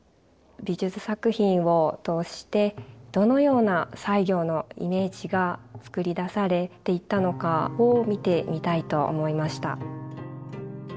美術作品を通してどのような西行のイメージがつくり出されていったのかを見てみたいと思いました。